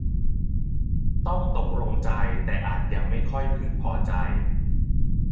ต้องตกลงใจ แต่อาจยังไม่ค่อยพึงพอใจ